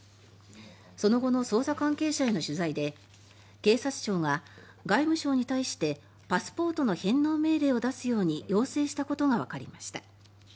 その後の捜査関係者への取材で警察庁が外務省に対してパスポートの返納命令を出すように要請したことがわかりました。